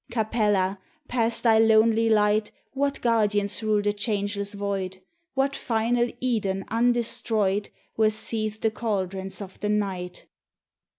Capella! past thy lonely light What Guardians rule the changeless void? What final Eden undestroyed Where seethe the caldrons of the night?